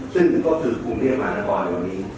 ซึ่งก็คือภูมิธรรมหานครวันนี้